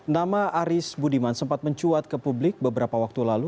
nama aris budiman sempat mencuat ke publik beberapa waktu lalu